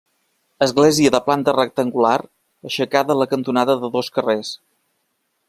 Església de planta rectangular aixecada a la cantonada de dos carrers.